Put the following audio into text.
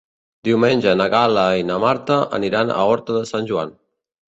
Diumenge na Gal·la i na Marta aniran a Horta de Sant Joan.